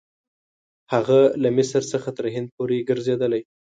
هغه له مصر څخه تر هند پورې ګرځېدلی.